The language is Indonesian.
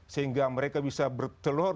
sehingga mereka bisa bertelur